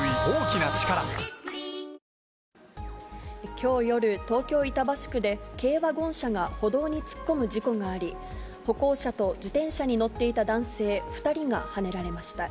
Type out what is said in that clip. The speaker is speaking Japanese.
きょう夜、東京・板橋区で軽ワゴン車が歩道に突っ込む事故があり、歩行者と自転車に乗っていた男性２人がはねられました。